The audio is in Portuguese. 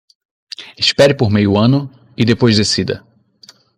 Espere por meio ano e depois decida